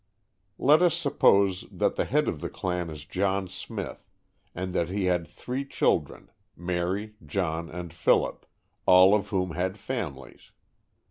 Let us suppose that the head of the clan is John Smith, and that he had three children, Mary, John, and Philip, all of whom had families.